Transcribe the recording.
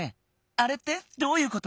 あれってどういうこと？